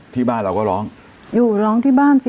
ที่บ้านเราก็ร้องอยู่ร้องที่บ้านสิ